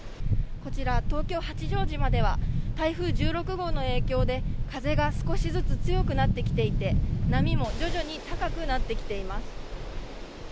こちら、東京・八丈島では、台風１６号の影響で、風が少しずつ強くなってきていて、波も徐々に高くなってきています。